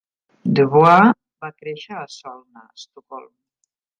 Dubois va créixer a Solna, Estocolm.